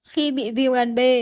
khi bị viêm gan b